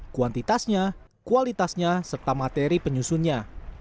kuantitasnya kualitasnya serta materi penyusunnya